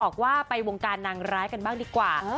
บอกว่าไปวงการนางร้ายกันบ้างดีกว่า